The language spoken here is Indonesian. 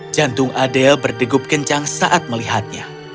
jantung adel berdegup kencang saat melihatnya